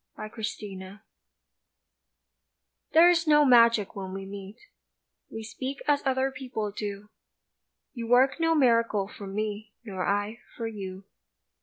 AFTER LOVE THERE is no magic when we meet, We speak as other people do, You work no miracle for me Nor I for you.